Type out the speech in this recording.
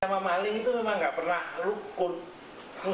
sama maling itu memang nggak pernah rukun